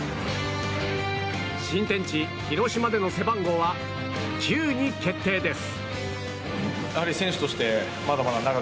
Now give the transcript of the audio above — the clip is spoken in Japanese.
新天地・広島での背番号は９に決定です。